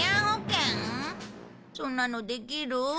そんなのできる？